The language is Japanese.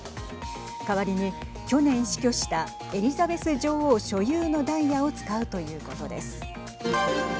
代わりに去年死去したエリザベス女王所有のダイヤを使うということです。